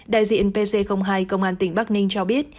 đại diện pc hai công an tỉnh bắc ninh cho biết